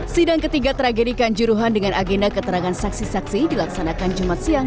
sidang ketiga tragedi kanjuruhan dengan agenda keterangan saksi saksi dilaksanakan jumat siang